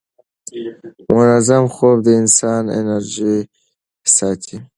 منظم خوب د انسان انرژي ساتي.